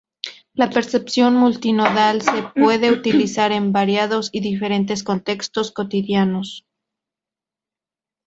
La percepción multimodal se puede utilizar en variados y diferentes contextos cotidianos.